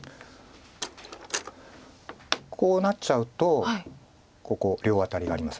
こうなっちゃうとここ両アタリがあります。